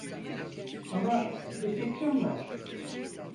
Ama bir fikrim var.